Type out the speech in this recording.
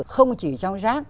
không chỉ trong rác